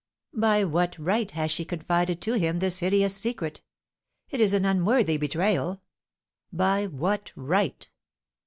By what right has she confided to him this hideous secret? It is an unworthy betrayal! By what right?